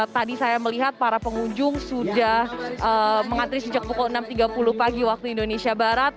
tadi saya melihat para pengunjung sudah mengantri sejak pukul enam tiga puluh pagi waktu indonesia barat